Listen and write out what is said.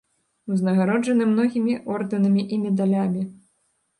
Узнагароджаны многімі ордэнамі і медалямі.